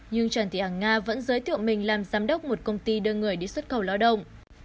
nhưng trần tị hàng nga vẫn giới thiệu mình làm giám đốc một công ty đưa người đi xuất khẩu lo động